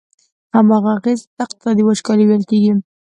همدغه اغیزي ته اقتصادي وچکالي ویل کیږي.